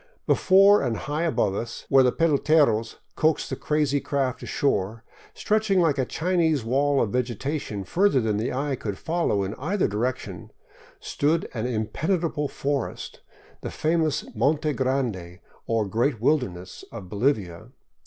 Before and high above us, where the peloteros coaxed the crazy craft ashore, stretching like a Chinese wall of vegetation further than the eye could follow in either direction, stood an impenetrable forest, the famous Monte Grande, or '' Great Wilderness,'* of Bolivia.